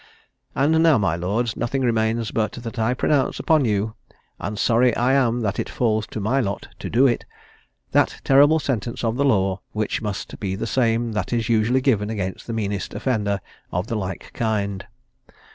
"And now, my lords, nothing remains but that I pronounce upon you (and sorry I am that it falls to my lot to do it) that terrible sentence of the law, which must be the same that is usually given against the meanest offender of the like kind.